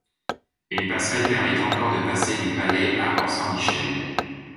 Une passerelle permet encore de passer du palais à Orsanmichele.